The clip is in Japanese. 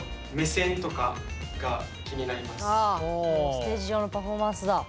ステージ上のパフォーマンスだ。